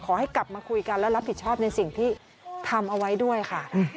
ขอให้กลับมาคุยกันและรับผิดชอบในสิ่งที่ทำเอาไว้ด้วยค่ะ